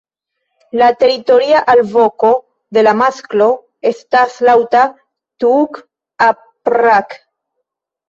La teritoria alvoko de la masklo estas laŭta "tuuk-a-prrak".